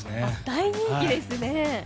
大人気ですね。